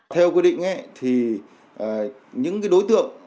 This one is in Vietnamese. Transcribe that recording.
theo quy định thì những đối tượng